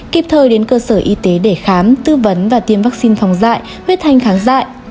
kịp thời đến cơ sở y tế để khám tư vấn và tiêm vaccine phòng dạy huyết thanh kháng dại